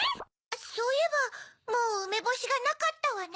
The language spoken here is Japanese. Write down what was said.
そういえばもううめぼしがなかったわね。